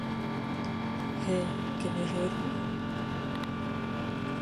His usual work involves attending risky surgeries in hospitals.